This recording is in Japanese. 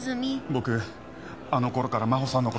僕あの頃から真帆さんのこと。